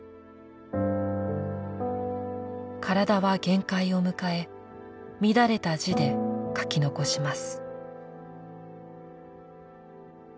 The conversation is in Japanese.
体は限界を迎え乱れた字で書き残します。